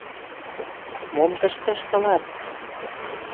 — Мом тыште ыштылат?